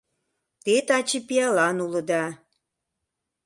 Те таче пиалан улыда.